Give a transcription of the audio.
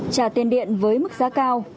trả tiền điện với mức giá cao